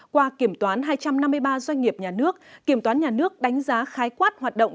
qua kiểm toán hai trăm năm mươi ba doanh nghiệp nhà nước kiểm toán nhà nước đánh giá khái quát hoạt động